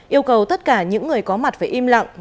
yêu cầu tất cả những người có mặt phải im lặng